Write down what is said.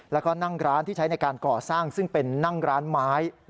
แล้วก็นั่งร้านที่ใช้ในการก่อสร้างซึ่งเป็นนั่งร้านไม้